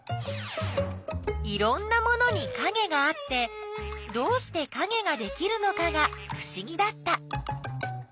いろんなものにかげがあってどうしてかげができるのかがふしぎだった。